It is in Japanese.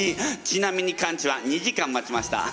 ちなみにカンチは２時間待ちました。